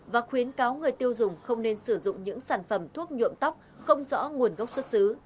và khuyến cáo người tiêu dùng không nên sử dụng những sản phẩm thuốc nhuộm tóc không rõ nguồn gốc xuất xứ